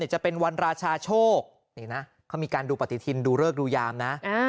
จะเป็นวันราชาโชคนี่นะเขามีการดูปฏิทินดูเริกดูยามนะ